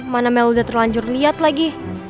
mana mel udah terlanjur liat lagi